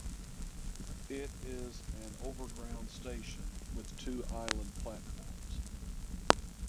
It is an overground station with two island platforms.